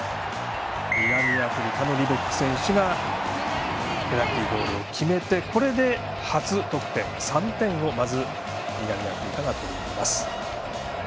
南アフリカのリボック選手がペナルティーゴールを決めてこれで初得点、３点をまず南アフリカが取ります。